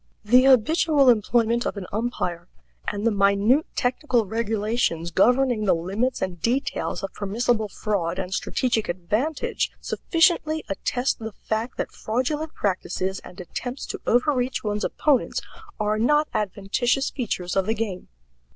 The habitual employment of an umpire, and the minute technical regulations governing the limits and details of permissible fraud and strategic advantage, sufficiently attest the fact that fraudulent practices and attempts to overreach one's opponents are not adventitious features of the game.